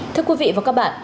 thưa quý vị và các bạn